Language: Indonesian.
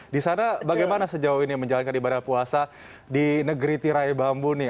di sana bagaimana sejauh ini menjalankan ibadah puasa di negeri tirai bambu nih